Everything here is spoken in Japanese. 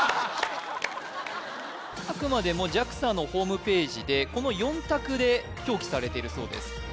あくまでもＪＡＸＡのホームページでこの４択で表記されているそうです